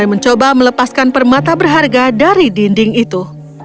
mencoba melepaskan permata berharga dari dinding itu